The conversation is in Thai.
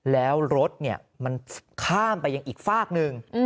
แล้วรถมันข้ามไปยังอีกฝากหนึ่ง